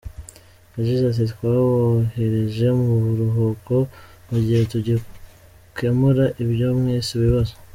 Yagize ati: “Twabohereje mu biruhuko mu gihe tugikemura ibyo mwise ibibazo….